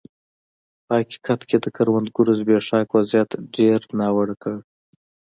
په حقیقت کې د کروندګرو زبېښاک وضعیت ډېر ناوړه کړ.